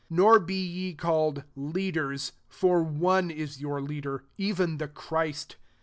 10 Nor be ye called Leaders : for one is your Leader, even the Christ.